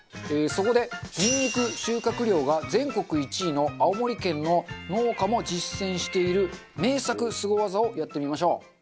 そこでニンニク収穫量が全国１位の青森県の農家も実践している名作スゴ技をやってみましょう。